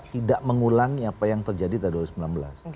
tidak mengulangi apa yang terjadi pada dua ribu sembilan belas